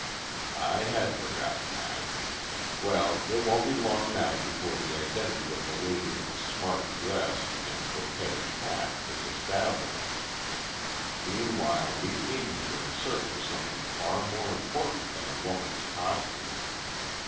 "I had forgotten that. Well, it won't be long now before the identity of the lady in the smart dress and coquettish hat is established. Meanwhile we came here in search of something far more important than a woman's costume.